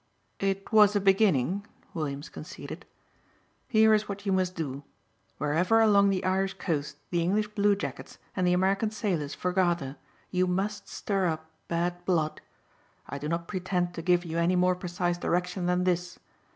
"It was a beginning," Williams conceded. "Here is what you must do: Wherever along the Irish coast the English bluejackets and the American sailors foregather you must stir up bad blood. I do not pretend to give you any more precise direction than this.